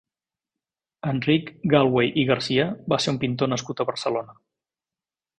Enric Galwey i Garcia va ser un pintor nascut a Barcelona.